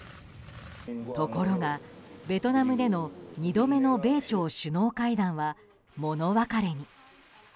ところがベトナムでの２度目の米朝首脳会談は物別れに。